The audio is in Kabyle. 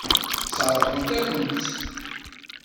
Sseṛɣent-akent-tt.